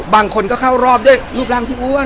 บางคนก็เข้ารอบด้วยรูปร่างที่อ้วน